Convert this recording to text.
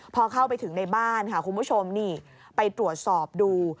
พอเข้าไปถึงในบ้านค่ะคุณผู้ชมนี่ไปตรวจสอบดู